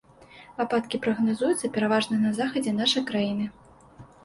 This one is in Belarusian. Ападкі прагназуюцца пераважна на захадзе нашай краіны.